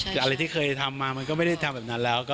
แต่อะไรที่เคยทำมามันก็ไม่ได้ทำแบบนั้นแล้ว